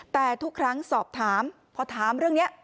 แต่ทุกครั้งสอบถามพอถามเรื่องนี้